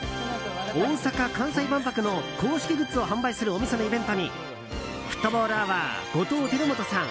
大阪・関西万博の公式グッズを販売するお店のイベントにフットボールアワー後藤輝基さん